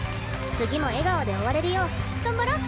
次も笑顔で終われるよう頑張ろっ。